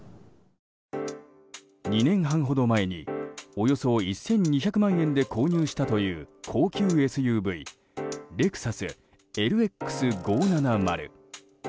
２年半ほど前におよそ１２００万円で購入したという高級ＳＵＶレクサスＬＸ５７０。